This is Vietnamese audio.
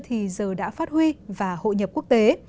thì giờ đã phát huy và hội nhập quốc tế